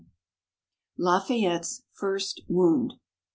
LAFAYETTE'S FIRST WOUND.